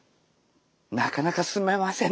なかなか進めませんね。